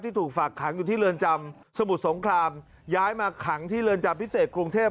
ถูกฝากขังอยู่ที่เรือนจำสมุทรสงครามย้ายมาขังที่เรือนจำพิเศษกรุงเทพ